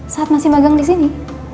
saat masih magang di sini